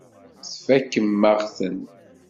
Tfakem-aɣ-ten.